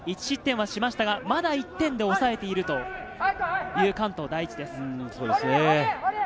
１失点はしましたが、まだ１点でおさえているという関東第一です。